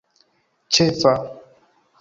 ĉefa